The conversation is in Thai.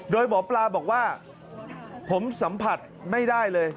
โดยหมอปลาบอกว่าผมสัมผัสไม่ได้เลย